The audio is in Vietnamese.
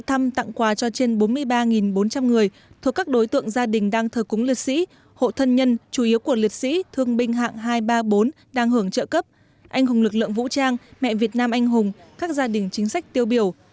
trong dịp tết đinh dậu tp hcm sẽ thăm tặng quà cho trên bốn mươi ba bốn trăm linh người thuộc các đối tượng gia đình đang thờ cúng liệt sĩ hộ thân nhân chủ yếu của liệt sĩ thương binh hạng hai trăm ba mươi bốn đang hưởng trợ cấp anh hùng lực lượng vũ trang mẹ việt nam anh hùng các gia đình chính sách tiêu biểu